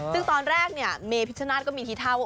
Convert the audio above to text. ซึ่งตอนแรกเนี่ยเมย์พิชนาศก็มีทีเท่าว่า